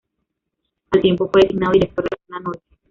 Al tiempo fue designado director de la zona norte.